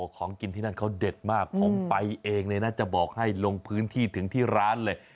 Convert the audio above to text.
ของกินที่นั่นเขาเด็ดมากผมไปเองเลยนะจะบอกให้ลงพื้นที่ถึงที่ร้านเลย